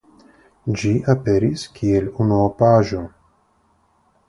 Ĝi aperis kiel unuopaĵo.